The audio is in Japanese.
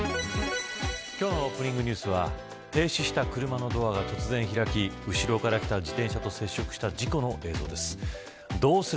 今日のオープニングニュースは停止した車のドアが突然開き後ろから来た自転車と接触した事故の映像です。